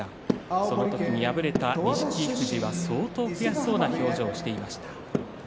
その時に敗れた錦富士は相当悔しそうな表情をしていました。